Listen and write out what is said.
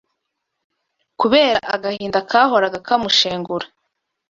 kubera agahinda kahoraga kamushengura.